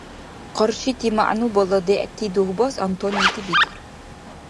Къаршити мягӀнубала дегӀти дугьбас антонимти бикӀар.